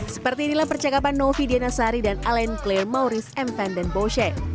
seperti inilah percakapan novi dianasari dan alain claire maurice m van den bosche